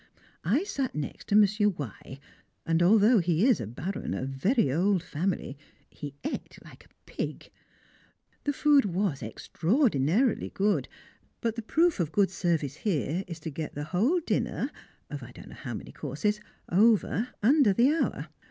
I sat next to Monsieur Y, and although he is a Baron of very old family he ate like a pig. The food was extraordinarily good, but the proof of good service here is to get the whole dinner of I don't know how many courses over under the hour.